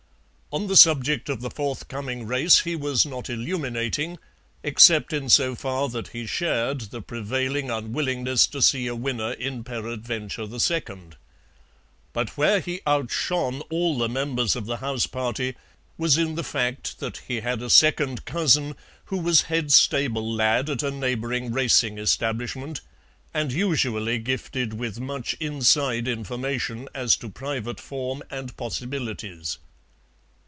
On the subject of the forthcoming race he was not illuminating, except in so far that he shared the prevailing unwillingness to see a winner in Peradventure II. But where he outshone all the members of the house party was in the fact that he had a second cousin who was head stable lad at a neighbouring racing establishment, and usually gifted with much inside information as to private form and possibilities.